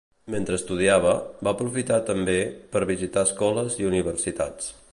Mentre estudiava, va aprofitar també, per visitar Escoles i Universitats.